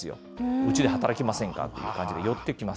うちで働きませんかという感じで寄ってきます。